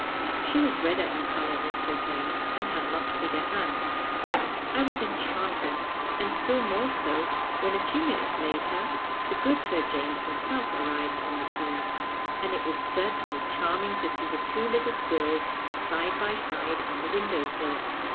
She was redder in colour than Sir James, and had much bigger hands. I was enchanted, and still more so when a few minutes later the good Sir James himself arrived on the scene, and it was certainly charming to see the two little squirrels side by side on the window sill.